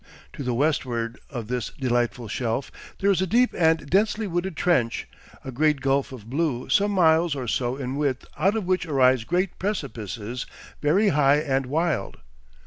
To the westward of this delightful shelf there is a deep and densely wooded trench, a great gulf of blue some mile or so in width out of which arise great precipices very high and wild.